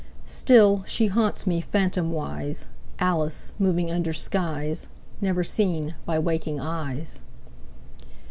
Still she haunts me, phantomwise, Alice moving under skies Never seen by waking eyes.